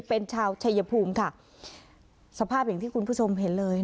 เป็นชาวชัยภูมิค่ะสภาพอย่างที่คุณผู้ชมเห็นเลย